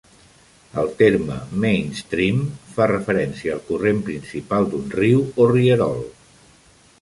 El terme "mainstream" fa referència al corrent principal d'un riu o rierol.